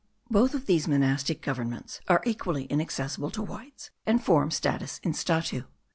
Both of these monastic governments are equally inaccessible to Whites, and form status in statu.